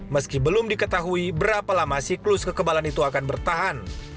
meski belum diketahui berapa lama siklus kekebalan itu akan bertahan